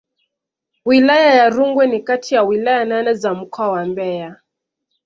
Wilaya ya Rungwe ni kati ya wilaya nane za mkoa wa Mbeya